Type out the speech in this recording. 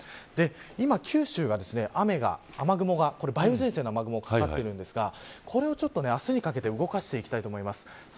今、九州が雨が雨雲がこれ梅雨前線の雨雲がかかってるんですがこれも明日にかけて動かしてきます。